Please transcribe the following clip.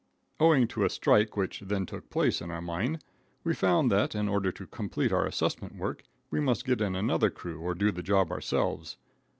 Owing to a strike which then took place in our mine, we found that, in order to complete our assessment work, we must get in another crew or do the job ourselves.